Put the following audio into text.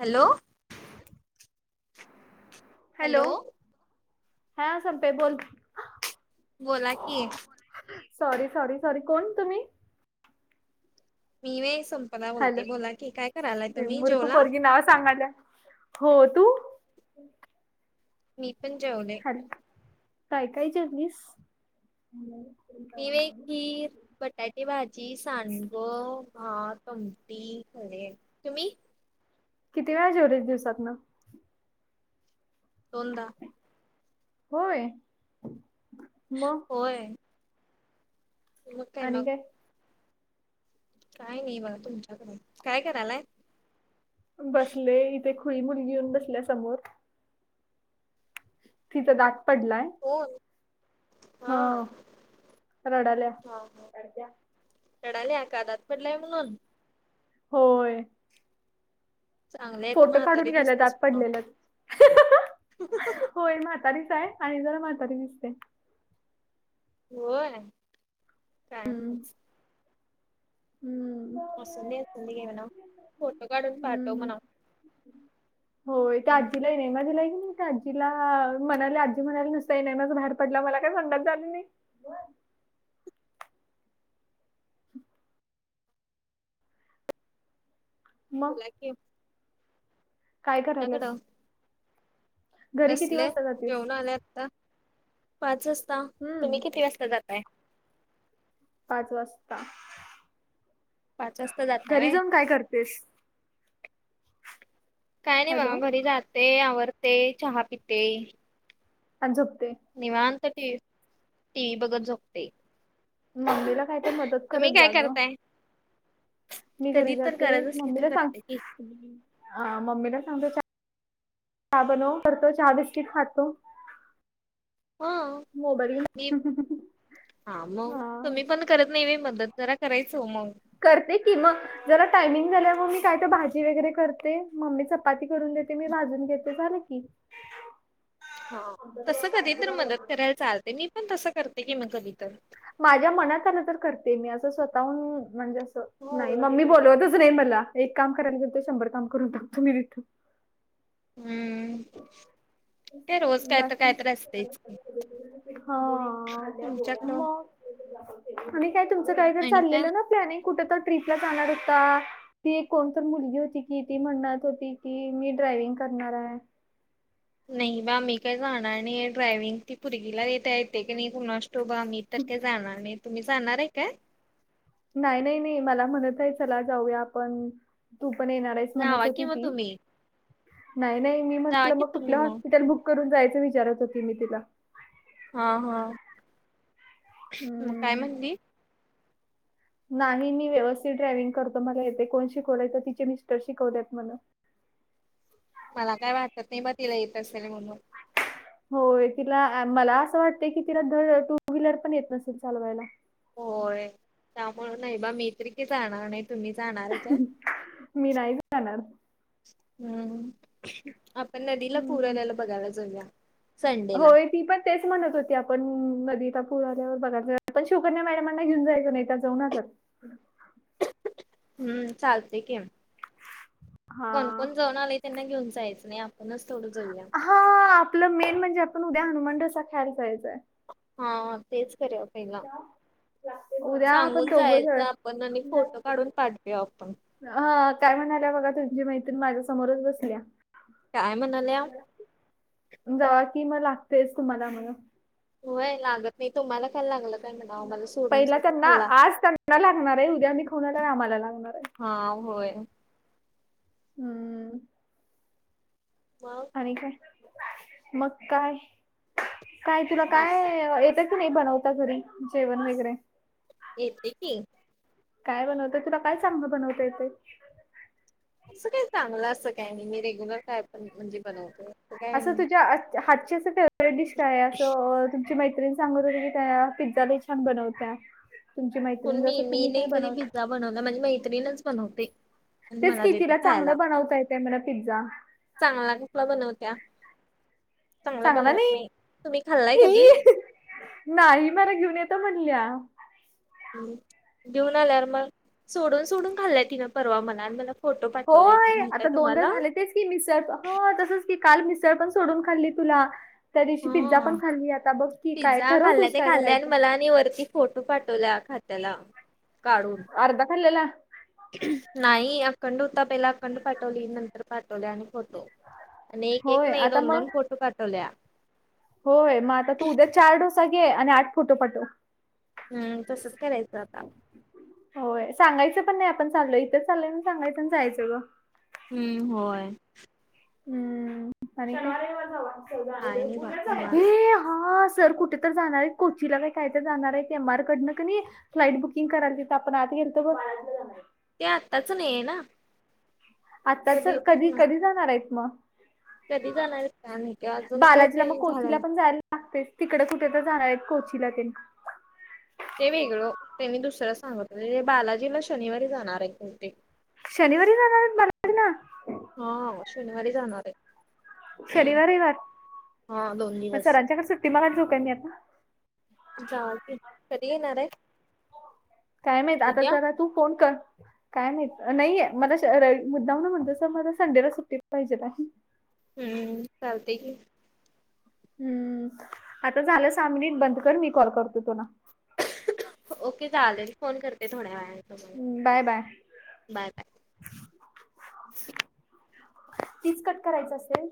Hello? Hello? हा संपे, बोल. बोला की सॉरी, सॉरी, सॉरी, कोण तुम्ही? मी वय संपदा हॅलो बोलते, बोला की, काय करायलाय तुम्ही? मूर्ख जेवला? पोरगी नाव सांगाल्या हो तू? मी पण जेवले. अरे, काय काय जेवलीस? [inaudible] मी व्हय खीर बटाटे भाजी, सांडगं, भात आमटी, तुम्ही? किती वेळा जेवलीस दिवसातन? दोन दा. होय. मग होय. मग का आणि मग. काय काय नाही बघा तुमच्याकडून. काय करालय? बसले इथे खुळी मुलगी येऊन बसल्या समोर. तिचां दात पडलाय. हो. हा रडाल्याड्या. थंडावल्या का दात पडलाय म्हणून? होय. चांगले आहे. तर फोटो काढून म्हातारी गेल्या दात दिसतीस म्हणून पडलेलं, होय म्हातारीच आहे. आणि जरा म्हातारी दिसते. होय, काय. हम्म. असले असं गेमना, फोटो काडून पाठव हम्म म्हणावं. होय त्या आजी सिनेमा दिलाय की नाही आजीला म्हणाले आजी म्हणाला नुसत इिनमाच धाड पडला मला काय संंडास झाली नाही. मग? त्यांचे. काय करायलास? घरी किती बसले वाजता जातेस घेऊन आले आत्ता, पाच वाजता. हम्म तुम्ही किती वाजता जाताय? पाच वाजता, पाच वाजता जाताय घरी व्हय जाऊन काय करतेस? काय नाही बाबा हॅलो घरी जाते, आवरते, चहा पिते आणि झोपते. निवांत टी, टी वी बघत झोपते. मम्मीला काही तरी मदत तुम्ही करत काय जा ग. करताय मी घरी कधी तर जाते गरज असली तर मम्मीला सांग करते की हा मम्मीला सांगतो च, चहा बनव तर तो चहा बिस्किट खातो. हा मोबाईल मी, घेऊन. हा मग हा तुम्ही पण करत नाही वय मदत, जरा करायचं हो मग. करते किंवा जरा टायमिंग झाल्या मग मी काय ते भाजी वगैरे करते मम्मी चपाती करून देते मी भाजून घेते. मग झालं की. [inaudible] ह तसं कधी तर मदत करायला चालते मी पण तसं करते की मग कधी तर. माझ्या मनात आलं तर करते मी असं स्वतःहून म्हणजे असं हो नाही मम् मी बोलवतच नाही मला एक काम करायला जातो शंभर काम करून दो तुम्ही तो. हम्म. ते रोज काय तर बाकी? काय तर असतेच की हा तुमच्याकडं मग. आणि काय तुमचं काहीत आणि काय चाललेलं ना प्लॅनिंग कुठं तर ट्र्रीपला जाणार होता? ती एक कोणतर मुलगी होती की ती म्हणणात होती की मी ड्रायविंग करणार आहे. नाही बा मी काय जाणार नाही ड्रायविंग ती पोरगीला येता येते की नाही कोणा अस तोबा मी तर काय जाणार नाही. तुम्ही जाणार आहे काय? नाही नाही नाही मला म्हणत आहे चला जाऊया आपण तू पण येणार आहे. तेच जावा म्हणत कि होती मग ती, तुम्ही नाही नाही, मी जावा की म्हटलं तुम्ही कुठलं मग हॉस्पिटल बुक करून जायचं विचारत होती मी तिला हा हा. हम्म! मग काय म्हणली? नाही मी व्यवस्थित ड्रायव्हंग करतो, मला येतय, कोण शिकवलय? तर तिचे मिस्टर शिकवलेत म्हण. मला काय वाटत नाही बा, तिला येत असेल म्हणून. होय, तिला मला असं वाटतय की तिला धड टू व्हीलर पण येत नसेल चालवायला. होय, त्यामुळे नाही बा, मी तरी काय जाणार नाही. तुम्ही जाणार आहे काय? मी नाही जाणार हम्म! आपण नदीला पूर हम्म. आल्याल बघायला जाऊ या, संडेला. होय ती पण तेच म्हणत होती, आपण नदीचा पूर आल्यावर बघयला जाऊया, पण शवकन्या मॅडमांना घेऊन जायचं नाही, त्या जाऊन आल्यात. हम्म! चालतंय की, हा कोण-कोण जाऊन आलय त्यांना घेऊन जायचं नाही, आप आपणच तेवढं जाऊया. हा, आपलं मेन म्हणजे, आपण उद्या हनुमान डोसा ख्यायला जायचाय. हा, तेच करूयाव पहिला. उद्या आपण सांगून दोघं जायच जण आपण, आणि फोटो काढून पाठवया आपण. हा, काय म्हणाल्या बघा तुमची मैत्रीण, माझ्या समोरच बसल्या. काय म्हणाल्या? जावा कि म, लागतयच तुम्हाला म. होय लागत नाही, तुम्हाला काल लागला पहिला त्यांना, आज त्यांना लागणार आहे, उद्या आम्ही खाऊन आल्यावर आम्हाला लागणार आहे. हा, होय. हम्म! वाऊ [unintelligible] काय मग काय काय तुला का काय, येत कि नाही बनवता, घरी जेवण वगैरे? येतय की. काय बनवतय तुला काय चांगलं बनवत येतय? असं काही चांगलं असं काय नाही, मी रेग्युलर काय पण म्हणजे बनवतोय. काय असं नाही. तुझ्या हातची असं फेवरेट डिश काय आहे? असं तुमची मैतिण सांगत होते की, त्या पिझ्झा लइ छान बनवत्या. तुमची मैत्रिण जसं, तुम्ही काय बनवता? बनवल, माझी मैत्रीणच बनवते. आणि तेच मला कि, देते तीला खायला चांगलं बनवता येतय म्हण पिझ्झा. चांगला कुठला बनवत्या, चांगल्या बनवत नाही. तुम्ही खाल्लाय कधी? ई! नाही, मला घेऊन येतो म्हणल्या. घेऊन आल्यावर मग, सोडून-सोडून खाल्ल्या त्या तिनं परवा मला, आणि मला फोटो पाठवली होती, होय माहितीय आता दोनदा तुम्हाला? झाले तेच की मिसळ, हा, तसच की, काल मिसळ पण सोडून खाल्ली तुला. त्या दिवशी पिझ्झा हा पण खाल्ली, आता बघ की, काय पिझ्झा ठरव खाल्ला तूच ते काय खाल्ले आणि करायचं? मला आणि वरती फोटो पाठवल्या, खात्याला, काढून. अर्धा खालेला नाही अखंड होता, पहिला अखंड पाठवली, नंतर पाठवल्या आणि फोटो आणि एक-एक होय नाही, आता मग दोन-दोन फोटो पाठवल्या. होय मग आता तू उद्या चार डोसा घे आणि आठ फोटो पाठव. हम्म तसच करायचं आता. होय सांगायचं पण नाही आपण चालोय इथच चालोय म्हणून सांगायच आणि जायचं ग. हम्म होय. हम्म आणि, काय नाही बा निवांत हे हा सर कुठे तर जाणार आहे कोचीला काही काय तर जाणार आहे एम आर कडनं क नाही फ्लाईट बुकिंग करायची तिथं आपण आत गेलतो बग. ते आत्ताच नाही आहे ना. आत्ताच कधी, कधी जाणार आहेत मग? कधी जाणार आहेत काय माहीत अजून काही ते झाला नाही. लागतेस तिकडं कुठे तर जाणार आहेत कोचीला तेन. ते वेगळं त्यांनी दुसरा सांगतले बालाजीला शनिवारी जाणार आहे कोणते. शनिवारी जाणार आहेत बालाजी ला? हा शनिवारी जाणार आहे. शनिवार, रविवार हा दोन मग दिवस सरांच्याकडे सुट्टी मागायला जाऊ का मी आता. जावा की, कधी येणाराय? काय माहित आता जरा तू फोन कर. काय माहीत नाहीये मला मुद्दाम ना म्हणतो सर मला संडेला सुट्टी पाहिजे. हम्म चालते की. हम्म आता झालं सहा मिनिट बंद कर मी कॉल करतो तुला. ओके चालेलल फोन करते थोड्या वेळाने तुमाला. Bye bye bye bye. तीच कट करायच असते न.